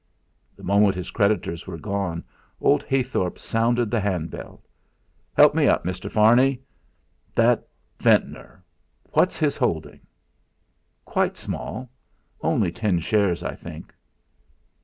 The moment his creditors were gone, old Heythorp sounded the hand bell. "Help me up, Mr. Farney. That Ventnor what's his holding?" "Quite small. Only ten shares, I think."